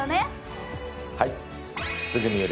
はい。